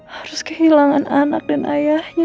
harus kehilangan anak dan ayahnya